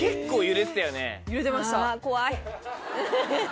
揺れてました。